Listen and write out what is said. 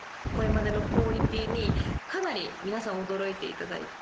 まねのクオリティーにかなり皆さん驚いていただいて。